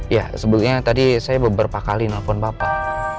ya sebelumnya tadi saya beberapa kali nelfon bapak